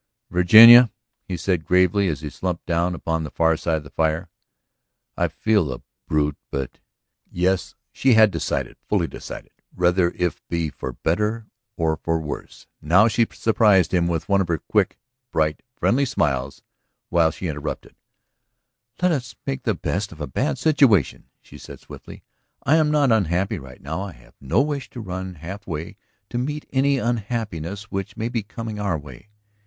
"Virginia," he said gravely as he slumped down upon the far side of the fire, "I feel the brute. But ..." Yes, she had decided, fully decided, whether if be for better or for worse. Now she surprised him with one of her quick, bright, friendly smiles while she interrupted: "Let us make the best of a bad situation," she said swiftly. "I am not unhappy right now; I have no wish to run half way to meet any unhappiness which may be coming our way.